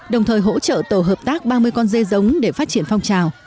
đồng thời hỗ trợ tổ hợp tác ba mươi con dê giống để phát triển phong trào